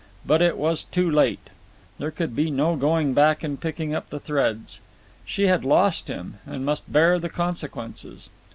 But it was too late. There could be no going back and picking up the threads. She had lost him, and must bear the consequences.